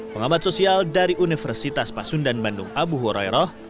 pengamat sosial dari universitas pasundan bandung abu horoyroh